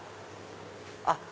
あっ！